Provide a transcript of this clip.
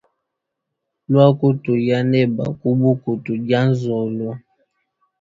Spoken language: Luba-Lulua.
Luaku tuya neba ku buku tudia nzolo.